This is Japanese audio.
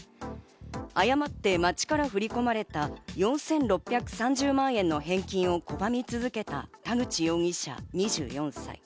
誤って町から振り込まれた４６３０万円の返金を拒み続けた田口容疑者２４歳。